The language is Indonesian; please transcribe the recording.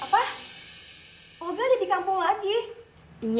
apa olga ada di kampung lagi